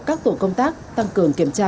các tổ công tác tăng cường kiểm tra